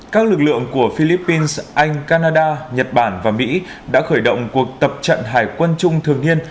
các lực lượng của philippines anh canada nhật bản và mỹ đã khởi động cuộc tập trận hải quân chung thường niên